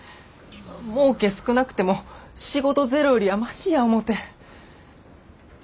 もうけ少なくても仕事ゼロよりはマシや思て。